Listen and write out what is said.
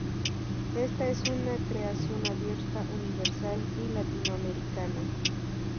Esta, es una creación abierta, universal y latinoamericana.